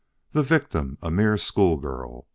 The victim a mere schoolgirl!